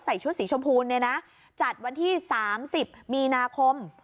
ชุดสีชมพูเนี่ยนะจัดวันที่๓๐มีนาคม